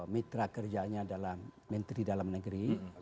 mitra kerjanya adalah menteri dalam negeri